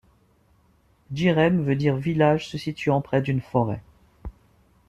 Djireme veut dire village se situant près d’une forêt.